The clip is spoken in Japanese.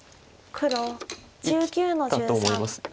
黒１９の十三取り。